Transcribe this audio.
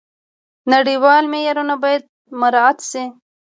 نړیوال معیارونه باید مراعات شي.